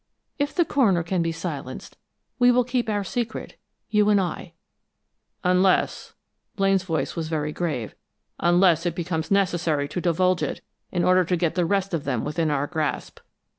If the coroner can be silenced, we will keep our secret, you and I." "Unless," Blaine's voice was very grave "unless it becomes necessary to divulge it in order to get the rest of them within our grasp."